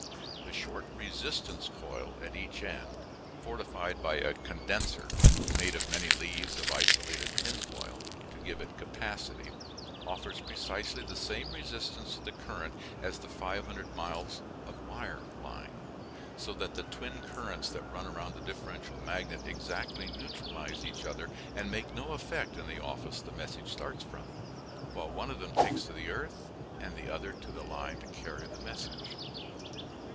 The short "resistance coil" at each end, fortified by a "condenser" made of many leaves of isolated tin foil, to give it capacity, offers precisely the same resistance to the current as the 500 miles of wire line; so that the twin currents that run around the differential magnet exactly neutralize each other and make no effect in the office the message starts from; while one of them takes to the earth, and the other to the line to carry the message.